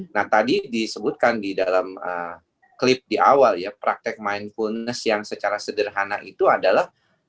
nah tadi disebutkan di dalam klip di awal ya praktek mindfulness yang secara sederhana itu adalah